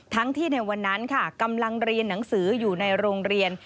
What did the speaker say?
ทั้งที่ในวันนั้นค่ะกำลังเรียนหนังสืออยู่ในโรงเรียน